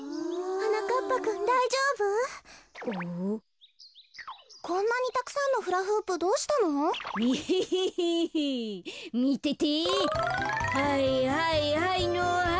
はいはいはいのはい。